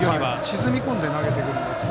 沈み込んで投げてくるんですね。